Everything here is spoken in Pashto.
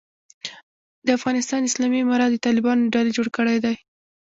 د افغانستان اسلامي امارت د طالبانو ډلې جوړ کړی دی.